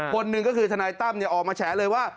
คนหนึ่งก็คือทนายตั้มออกมาแฉเลยว่า